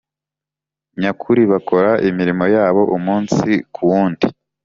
nyakuri bakora imirimo yabo umunsi kuwundi